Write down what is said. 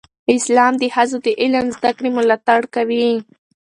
اسلام د ښځو د علم زده کړې ملاتړ کوي.